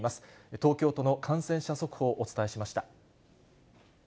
東京都の感染者速報、お伝えしました。